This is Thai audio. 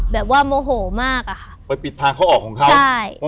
โมโหมากอะค่ะไปปิดทางเข้าออกของเขาใช่